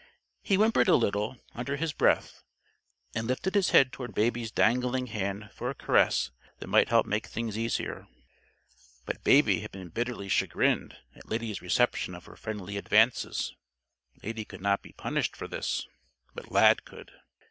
He whimpered a little, under his breath; and lifted his head toward Baby's dangling hand for a caress that might help make things easier. But Baby had been bitterly chagrined at Lady's reception of her friendly advances. Lady could not be punished for this. But Lad could.